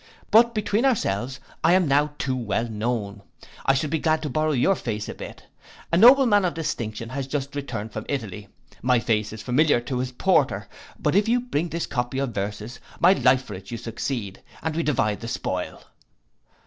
But between ourselves, I am now too well known, I should be glad to borrow your face a bit: a nobleman of distinction has just returned from Italy; my face is familiar to his porter; but if you bring this copy of verses, my life for it you succeed, and we divide the spoil.